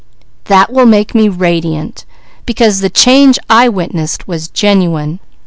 "That will make me radiant, because the change I witnessed was genuine.